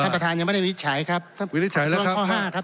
ท่านประธานยังไม่ได้วิจฉัยครับวิจฉัยแล้วครับข้อห้าครับ